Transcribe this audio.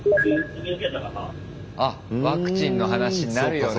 あっワクチンの話になるよね。